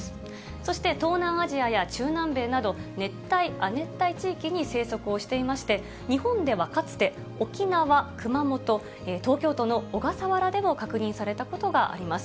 そして、東南アジアや中南米など、熱帯、亜熱帯地域に生息をしていまして、日本ではかつて、沖縄、熊本、東京都の小笠原でも確認されたことがあります。